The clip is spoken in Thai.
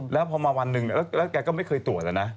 แล้วพอมาวันหนึ่งแล้วแกก็ไม่เคยตรวจแล้วนะ